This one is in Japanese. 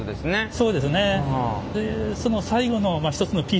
そうですね。